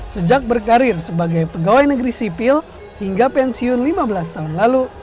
sejak berkarir sebagai pegawai negeri sipil hingga pensiun lima belas tahun lalu